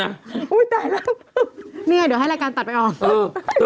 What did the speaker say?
เนี่ยเดี๋ยวให้รายการตัดไปออก